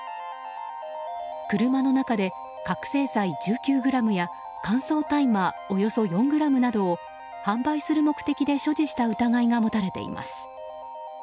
車の中で覚醒剤１９ｇや乾燥大麻およそ４ｇなどを販売する目的で所持した疑いが持たれています。